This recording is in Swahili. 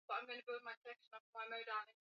Miradi yao haikufaulu